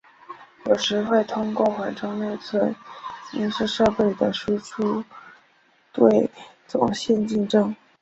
有时会通过缓冲内存映射设备的输出应对总线竞争。